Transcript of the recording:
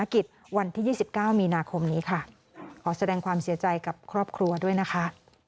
ขอแสดงความเสียใจกับครอบครัวด้วยนะคะ